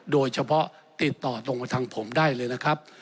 โดยเฉพาะติดต่อตรงมาทางผมได้เลยนะครับ